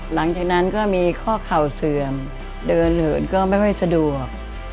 หลังจากนั้นก็มีข้อเข่าเสื่อมเดินเหินก็ไม่ค่อยสะดวก